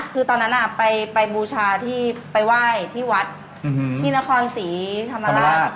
คือตอนนั้นไปบูชาที่ไปไหว้ที่วัดที่นครศรีธรรมราช